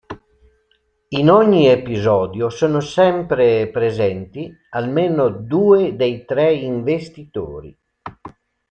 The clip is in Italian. In ogni episodio sono sempre presenti almeno due dei tre investitori.